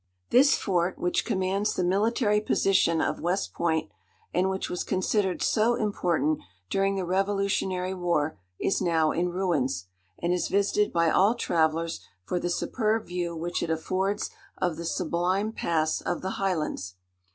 This fort, which commands the military position of West Point, and which was considered so important during the revolutionary war, is now in ruins, and is visited by all travellers for the superb view which it affords of the sublime pass of the Highlands.